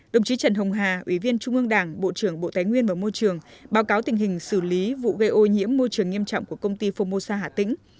đồng chí trần hồng hà ủy viên trung ương đảng bộ trưởng bộ tài nguyên và môi trường báo cáo tình hình xử lý vụ gây ô nhiễm môi trường nghiêm trọng của công ty phomosa hà tĩnh